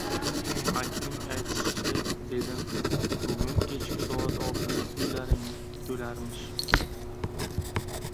Makning aytishicha, dedim, bugun kechki soat oltida to`ylaring bo`larmish